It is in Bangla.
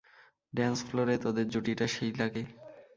ড্যান্স ফ্লোরে তোদের জুটিটা সেই লাগে।